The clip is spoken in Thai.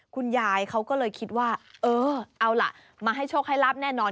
คุณยายเขาก็เลยคิดว่าเออเอาล่ะมาให้โชคให้ลาบแน่นอน